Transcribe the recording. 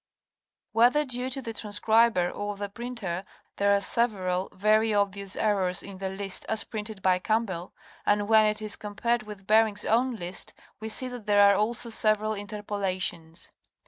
Whether due to the transcriber or the printer there are several very obvious errors in the list as printed by Campbell, and when it is com pared with Bering's own list we see that there are also several interpo lations.